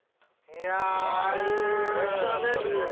いやあいい歌ですね